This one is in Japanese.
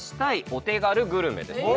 お手軽グルメ！」ですね